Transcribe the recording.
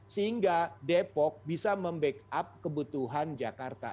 sehingga depok bisa membackup kebutuhan jakarta